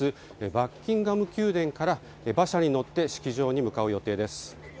バッキンガム宮殿から馬車に乗って式場に向かう予定です。